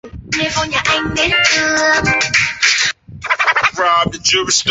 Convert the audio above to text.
御成门站三田线的铁路车站。